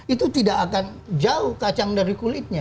itu tidak akan jauh kacang dari kulitnya